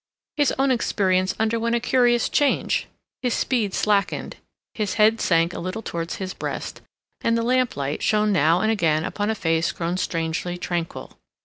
His own experience underwent a curious change. His speed slackened, his head sank a little towards his breast, and the lamplight shone now and again upon a face grown strangely tranquil.